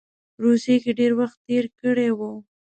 روسیې کې ډېر وخت تېر کړی وو.